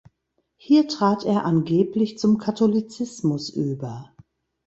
Hier trat er angeblich zum Katholizismus über.